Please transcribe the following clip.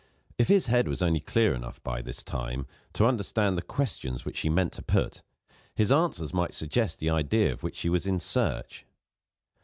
If his head was only clear enough, by this time, to understand the questions which she meant to put, his answers might suggest the idea of which she was in search.